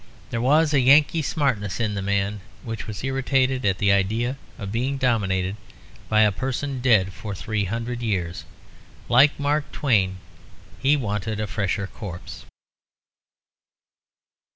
There was a Yankee smartness in the man which was irritated at the idea of being dominated by a person dead for three hundred years; like Mark Twain, he wanted a fresher corpse.